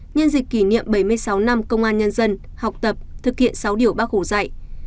nhân dịp kỷ niệm bảy mươi sáu năm công an nhân dân học tập thực hiện sáu điều bác hồ dạy